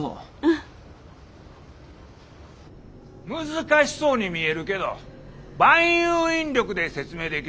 難しそうに見えるけど万有引力で説明できるんや。